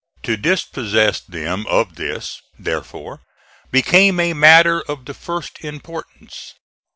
To dispossess them of this, therefore, became a matter of the first importance.